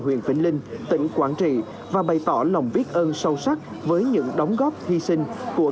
huyện vĩnh linh tỉnh quảng trị và bày tỏ lòng biết ơn sâu sắc với những đóng góp hy sinh của